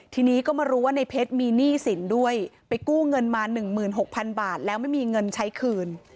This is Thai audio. ทีนี้ก็มารู้ว่าในเพชรมีหนี้สินด้วยไปกู้เงินมา๑๖๐๐๐บาทแล้วไม่มีเงินใช้คืน